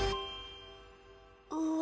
うわ！